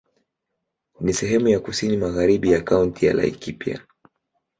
Ni sehemu ya kusini magharibi ya Kaunti ya Laikipia.